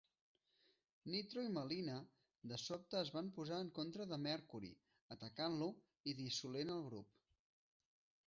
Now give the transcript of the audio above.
Nitro i Melina de sobte es van posar en contra de Mercury, atacant-lo i dissolent el grup.